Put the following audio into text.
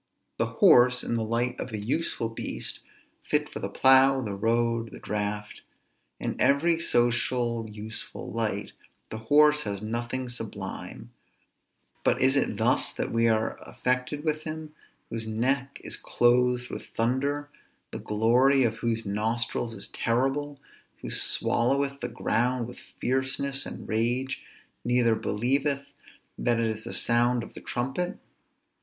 The horse in the light of an useful beast, fit for the plough, the road, the draft; in every social useful light, the horse has nothing sublime; but is it thus that we are affected with him, _whose neck is clothed with thunder, the glory of whose nostrils is terrible, who swalloweth the ground with fierceness and rage, neither believeth that it is the sound of the trumpet_?